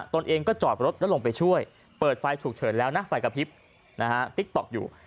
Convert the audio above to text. ตนเองก็จอดรถแล้วลงไปช่วยเปิดไฟฉุกเฉินแล้วนะไฟกระพริบนะฮะติ๊กต๊อกอยู่